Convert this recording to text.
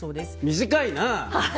短いな。